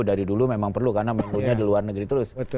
dari dulu memang perlu karena menko nya di luar negeri terus